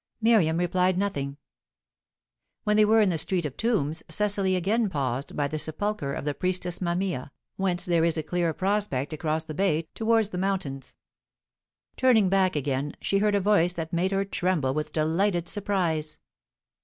Miriam replied nothing. When they were in the Street of Tombs, Cecily again paused, by the sepulchre of the Priestess Mamia, whence there is a clear prospect across the bay towards the mountains. Turning back again, she heard a voice that made her tremble with delighted surprise.